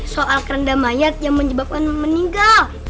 soal kerendam mayat yang menyebabkan meninggal